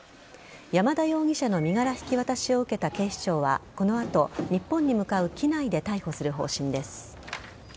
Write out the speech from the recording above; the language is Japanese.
山田容疑者の身柄引き渡しを受けた警視庁はこの後、日本に向かう機内で逮捕する方針です。